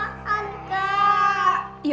aduh apaan kamu